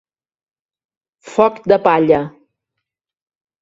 Foc de palla.